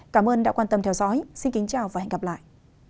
cảm ơn đã quan tâm theo dõi xin kính chào và hẹn gặp lại